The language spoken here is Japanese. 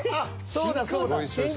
そうだそうだ。